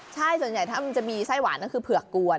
ใช่ส่วนใหญ่ถ้ามันจะมีไส้หวานก็คือเผือกกวน